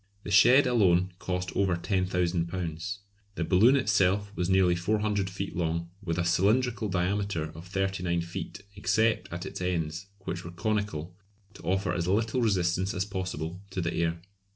The shed alone cost over £10,000. The balloon itself was nearly 400 feet long, with a cylindrical diameter of 39 feet, except at its ends, which were conical, to offer as little resistance as possible to the air.